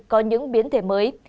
có những biến thể mới